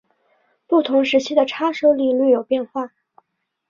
不同时期的叉手礼略有变化。